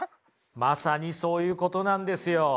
まさにそういうことなんですよ。